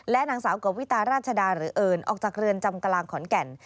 นางสาวกวิตาราชดาหรือเอิญออกจากเรือนจำกลางขอนแก่น